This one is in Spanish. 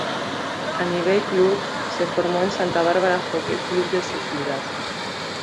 A nivel clubes, se formó en Santa Bárbara Hockey Club de su ciudad.